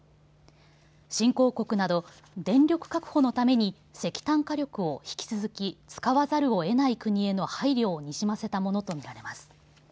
新興国など電力確保のために石炭火力を引き続き使わざるを得ない国への配慮をにじませたものと見られます。